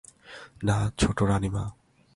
না, ছোটোরানীমা।